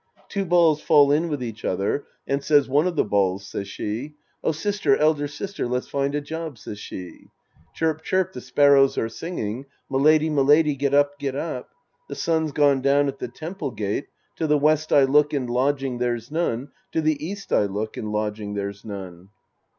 Two balls fall in with each other, And says one of the balls, says she, " Oh, sister, elder sister, let's find a job," says she. Chirp, chirp, the sparrows are singing. Milady, milady, get up, get up. The sun's gone down at the temple gate, To the west I look and lodging there's none, To the east I look and lodging there's none.